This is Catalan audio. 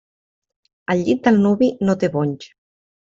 El llit del nuvi no té bonys.